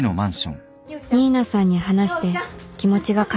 新名さんに話して気持ちが軽くなった